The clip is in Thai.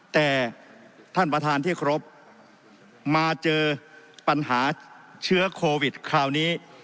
แต่ท่านประธานที่ครบมาเจอปัญหาเชื้อโควิดคราวนี้